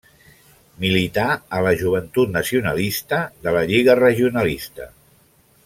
Milità a la Joventut Nacionalista de la Lliga Regionalista.